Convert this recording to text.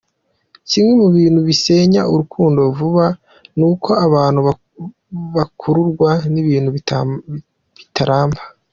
Kimwe mu bintu bisenya urukundo vuba, ni uko abantu bakururwa n’ibintu bitaramba.